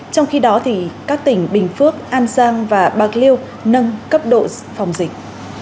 trong khi đó các tỉnh bình phước an giang và bạc liêu nâng cấp độ phòng dịch